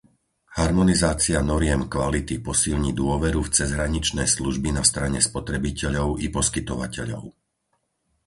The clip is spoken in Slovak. Harmonizácia noriem kvality posilní dôveru v cezhraničné služby na strane spotrebiteľov i poskytovateľov.